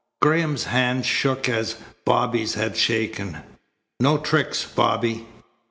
Graham's hand shook as Bobby's had shaken. "No tricks, Bobby?"